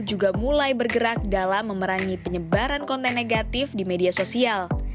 juga mulai bergerak dalam memerangi penyebaran konten negatif di media sosial